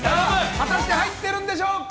果たして入っているんでしょうか。